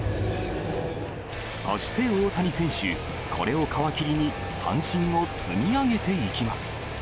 そして大谷選手、これを皮切りに、三振を積み上げていきます。